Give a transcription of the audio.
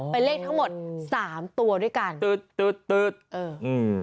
เป็นเลขทั้งหมดสามตัวด้วยกันตืดตืดตื๊ดเอออืม